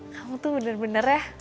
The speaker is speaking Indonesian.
kamu tuh bener bener ya